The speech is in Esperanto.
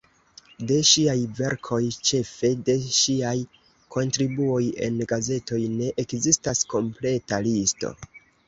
De ŝiaj verkoj, ĉefe de ŝiaj kontribuoj en gazetoj, ne ekzistas kompleta listo.